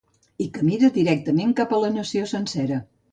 I que mira directament cap a la nació sencera.